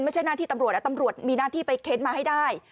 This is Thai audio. ไม่ใช่หน้าที่ตำรวจนะตำรวจตำรวจมีหน้าที่ไปเค้นมาให้ได้